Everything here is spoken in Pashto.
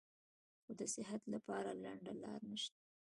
خو د صحت له پاره لنډه لار نشته -